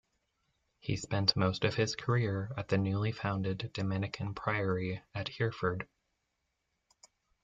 He spent most of his career at the newly founded Dominican priory at Hereford.